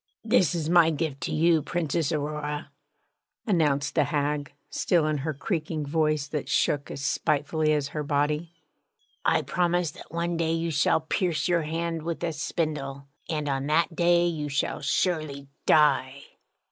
'This is my gift to you, Princess Aurora,' announced the hag, still in her creaking voice that shook as spitefully as her body. 'I promise that one day you shall pierce your hand with a spindle, and on that day you shall surely die!'